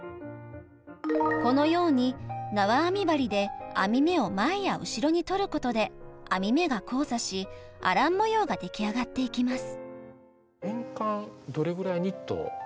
このようになわ編み針で編み目を前や後ろに取ることで編み目が交差しアラン模様が出来上がっていきます。